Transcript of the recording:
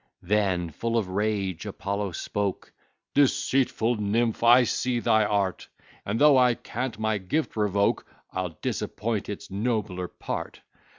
Then, full of rage, Apollo spoke: "Deceitful nymph! I see thy art; And, though I can't my gift revoke, I'll disappoint its nobler part.